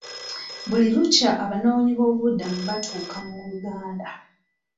Buli lukya abanoonyi boobubudamu batuuka mu Uganda.